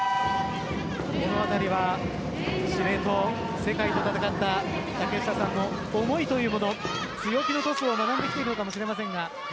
このあたりは司令塔世界と戦った竹下さんも思いというのも強気のトスを学んでいるのかもしれませんが。